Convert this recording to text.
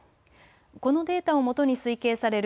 このデータを基に推計される